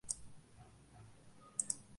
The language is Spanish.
Este soneto se conserva en la Casa Buonarroti.